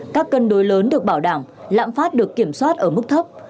các cân đối lớn được bảo đảm lãm phát được kiểm soát ở mức thấp